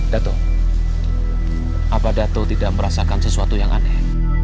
dato apa dato tidak merasakan sesuatu yang aneh